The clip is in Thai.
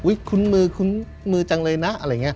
อุ๊ยคุ้นมือคุ้นมือจังเลยนะ